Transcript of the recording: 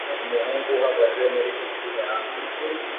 Umuhungu ahagaze muri pisine hanze